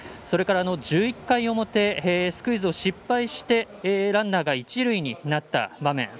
それから１１回表スクイズを失敗してランナーが一塁になった場面。